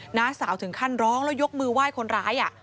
น้าสาวถึงขั้นร้องแล้วยกมือไหว้คนร้าย